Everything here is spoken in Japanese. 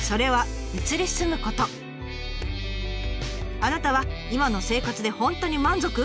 あなたは今の生活で本当に満足？